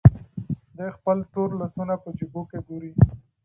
دی خپل تور لاسونه په جېبونو کې ګوري.